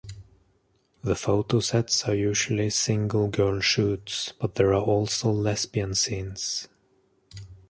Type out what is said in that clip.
The photosets are usually single-girl shoots but there are also lesbian scenes.